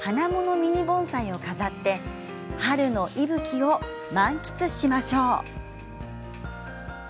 ミニ盆栽を飾って春の息吹を満喫しましょう。